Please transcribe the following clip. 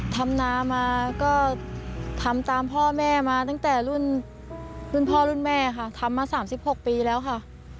ทำนามาก็ทำตามพ่อแม่มาตั้งแต่รุ่นรุ่นพ่อรุ่นแม่ค่ะทำมา๓๖ปีแล้วค่ะ